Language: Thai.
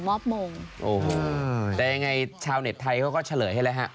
มอบมงโอ้โหแต่ยังไงชาวเน็ตไทยเขาก็เฉลยให้แล้วฮะ